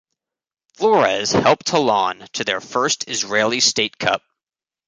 Flores helped Holon to their first Israeli State Cup.